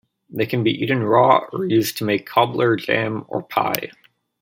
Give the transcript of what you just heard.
They can be eaten raw, or used to make cobbler, jam, or pie.